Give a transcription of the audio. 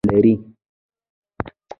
دوی خپل اپلیکیشنونه لري.